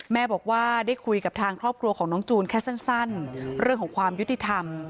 แม่บอกว่าได้คุยกับทางครอบครัวของน้องจูนแค่สั้นเรื่องของความยุติธรรม